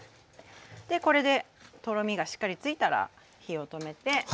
でこれでとろみがしっかりついたら火を止めて。